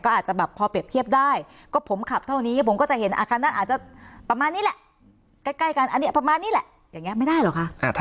ก็อาจจะแบบพอเปรียบเทียบได้ก็ผมขับเท่านี้ผมก็จะเห็นอาคารนั้นอาจจะประมาณนี้แหละ